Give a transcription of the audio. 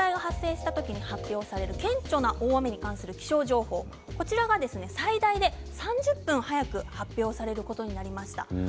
今月２５日からは線状降水帯が発生した時に発表される顕著な大雨に関する気象情報が最大３０分早く発表されることになりました。